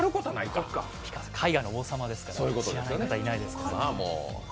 絵画の王様ですから、知らない方はいないですから。